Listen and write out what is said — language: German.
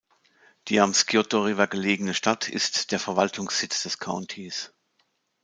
Die am Scioto River gelegene Stadt ist der Verwaltungssitz des Countys.